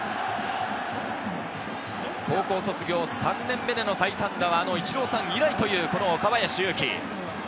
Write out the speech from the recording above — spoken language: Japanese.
高校卒業３年目での最多安打はあのイチローさん以来という、この岡林勇希。